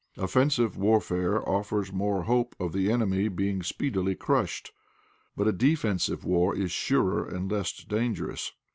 Offensive warfare offers more hope of the enemy being speedily crushed; but a defensive war is surer and less dangerous.